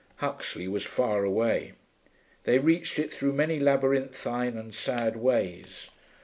Huxley was far away. They reached it through many labyrinthine and sad ways.